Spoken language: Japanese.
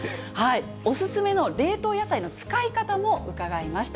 お勧めの冷凍野菜の使い方も伺いました。